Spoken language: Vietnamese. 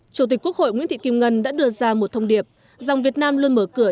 chủ tịch quốc hội nguyễn thị kim ngân đã đưa ra một thông điệp rằng việt nam luôn mở cửa